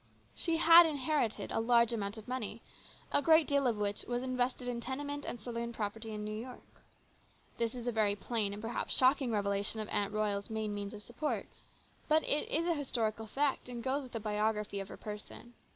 She had inherited a large amount of money, a great deal of which was invested in tenement and saloon property in New York. This is a very plain and perhaps shocking revelation of Aunt Royal's main means of support, but it is a historical fact and goes with a biography of her person.